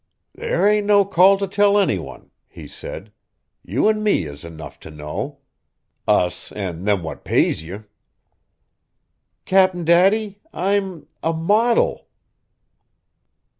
"There ain't no call t' tell any one," he said, "you an' me is enough t' know. Us an' them what pays ye!" "Cap'n Daddy; I'm a model!"